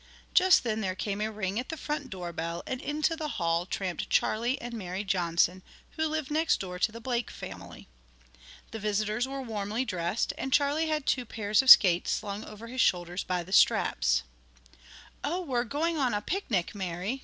Just then there came a ring at the front door bell, and into the hall tramped Charlie and Mary Johnson, who lived next door to the Blake family. The visitors were warmly dressed, and Charlie had two pairs of skates slung over his shoulder by the straps. "Oh, we're going on a pic nic, Mary!"